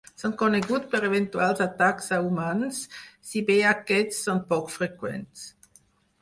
Són coneguts per eventuals atacs a humans, si bé aquests són poc freqüents.